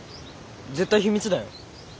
絶対秘密だよ。